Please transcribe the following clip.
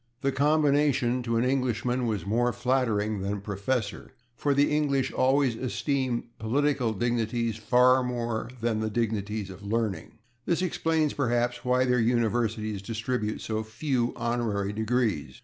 The combination, to an Englishman, was more flattering than /Professor/, for the English always esteem political dignities far more than the dignities of learning. This explains, perhaps, why their universities distribute so few honorary degrees.